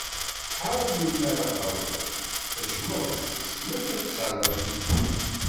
Tḥareḍ melmi ara tawḍeḍ, tejjmeḍ-tt degmi akka tzerbeḍ tikli.